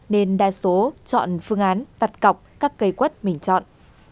nên đa số chọn phương án đặt cọc các cây quất mình chọn